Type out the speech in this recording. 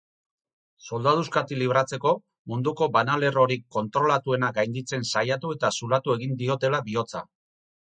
Soldaduskatik libratzeko, munduko banalerrorik kontrolatuena gainditzen saiatu eta zulatu egin diotela bihotza.